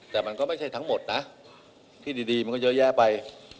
แต่มันก็ไม่ใช่ทั้งหมดนะที่ดีมันก็เยอะแยะไป